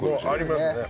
ありますね。